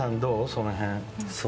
その辺。